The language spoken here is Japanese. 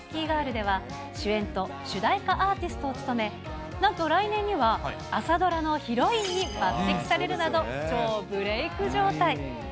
では、主演と主題歌アーティストを務め、なんと来年には、朝ドラのヒロインに抜てきされるなど、超ブレイク状態。